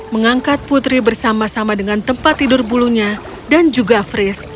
mengangkat putri bersama sama dengan tempat tidur bulunya dan juga fris